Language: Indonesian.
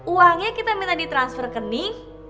uangnya kita minta di transfer ke ning